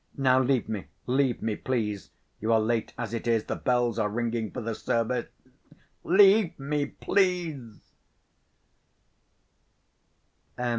Now leave me, leave me, please. You are late as it is—the bells are ringing for the service.... Leave me, please!"